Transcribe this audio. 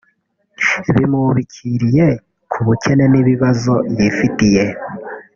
bimwubikiriye ku bukene n’ibibazo yifitiye